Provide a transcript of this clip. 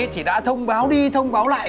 thì đã thông báo đi thông báo lại